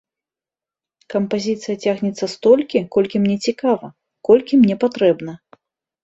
Кампазіцыя цягнецца столькі, колькі мне цікава, колькі мне патрэбна.